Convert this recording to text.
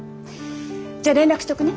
じゃあ連絡しとくね。